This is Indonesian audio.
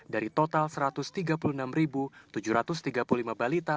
dari total satu ratus tiga puluh enam tujuh ratus tiga puluh lima balita